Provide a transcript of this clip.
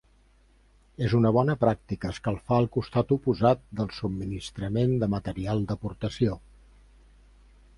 És una bona pràctica escalfar el costat oposat del subministrament de material d'aportació.